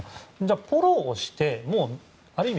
あポロをしてある意味